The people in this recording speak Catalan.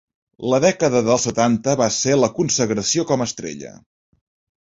La dècada dels setanta va ser la consagració com estrella.